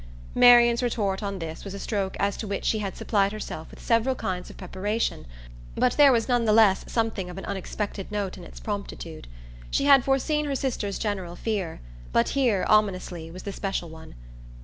Marian's retort on this was a stroke as to which she had supplied herself with several kinds of preparation, but there was none the less something of an unexpected note in its promptitude. She had foreseen her sister's general fear; but here, ominously, was the special one.